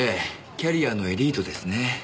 キャリアのエリートですね。